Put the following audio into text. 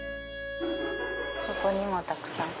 ここにもたくさん。